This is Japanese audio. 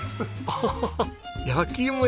アハハハ焼き芋屋さん。